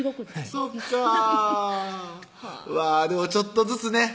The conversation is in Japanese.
そっかうわでもちょっとずつね